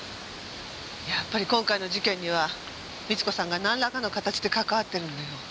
やっぱり今回の事件には美津子さんがなんらかの形で関わってるのよ。